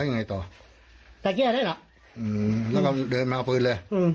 อื้ออแล้วก็เดินมากับฟืนเลย